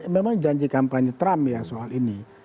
memang janji kampanye trump ya soal ini